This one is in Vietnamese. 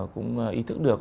cũng ý thức được